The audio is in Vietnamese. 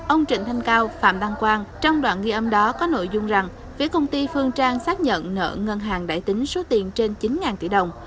ông trịnh thanh cao phạm đăng quang trong đoạn ghi âm đó có nội dung rằng phía công ty phương trang xác nhận nợ ngân hàng đại tính số tiền trên chín tỷ đồng